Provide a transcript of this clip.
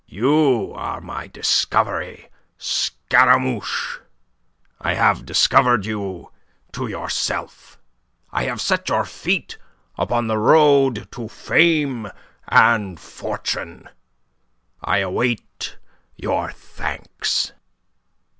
You are my discovery, Scaramouche. I have discovered you to yourself. I have set your feet upon the road to fame and fortune. I await your thanks."